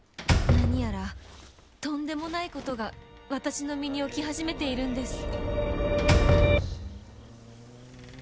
何やらとんでもない事が私の身に起き始めているんです